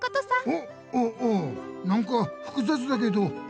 おっおおうなんかふくざつだけどありがとう。